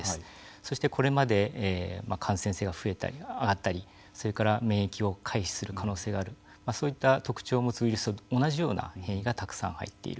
そしてこれまで感染性が増えたり上がったりそれから免疫を回避する可能性があるそういった特徴を持つ変異がたくさん入っている。